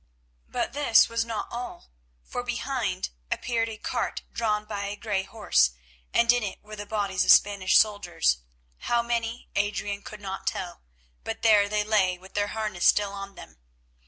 But this was not all, for behind appeared a cart drawn by a grey horse, and in it were the bodies of Spanish soldiers—how many Adrian could not tell, but there they lay with their harness still on them.